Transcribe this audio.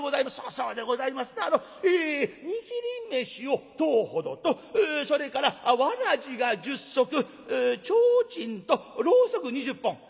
「そうでございますなあの握り飯を１０ほどとそれからわらじが１０足ちょうちんとろうそく２０本」。